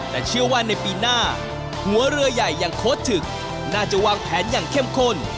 แต่เชื่อว่าในปีหน้าหัวเรือใหญ่อย่างโค้ดถึงน่าจะวางแผนอย่างเข้มข้น